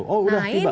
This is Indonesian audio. oh sudah tiba